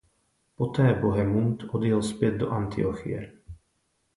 Poté Bohemund odjel zpět do Antiochie.